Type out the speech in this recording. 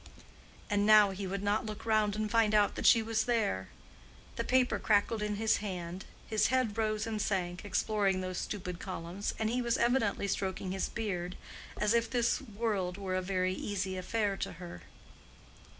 And now he would not look round and find out that she was there! The paper crackled in his hand, his head rose and sank, exploring those stupid columns, and he was evidently stroking his beard; as if this world were a very easy affair to her.